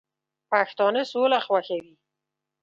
پښتانه سوله خوښوي